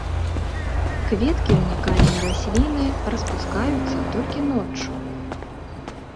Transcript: Кветкі ўнікальнай расліны распускаюцца толькі ноччу.